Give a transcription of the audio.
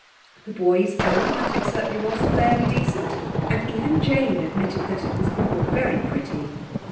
The boys owned that it certainly was fairly decent, and even Jane admitted that it was all very pretty.